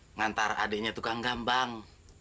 ngantar adiknya tukang gambang